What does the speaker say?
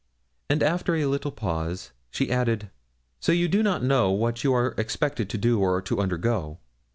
And after a little pause, she added 'So you do not know what you are expected to do or to undergo.'